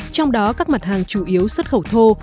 trong đó các mặt hàng chủ yếu xuất khẩu thô